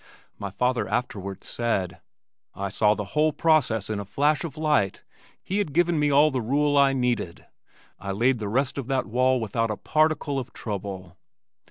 My father afterwards said, "I saw the whole process in a flash of light. He had given me all the rule I needed. I laid the rest of that wall without a particle of trouble."